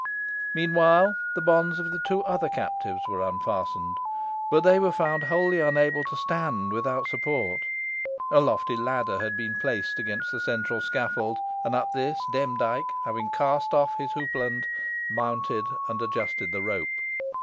Meanwhile, the bonds of the two other captives were unfastened, but they were found wholly unable to stand without support. A lofty ladder had been placed against the central scaffold, and up this Demdike, having cast off his houppeland, mounted and adjusted the rope.